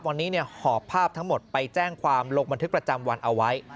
วันนี้หอบภาพทั้งหมดไปแจ้งความลงบันทึกประจำวันเอาไว้